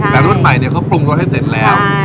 แต่รุ่นใหม่เขาปรุงรสให้เสร็จแล้ว